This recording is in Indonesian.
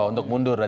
oh untuk mundur